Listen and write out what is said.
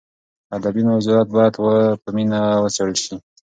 ادبي موضوعات باید په مینه وڅېړل شي.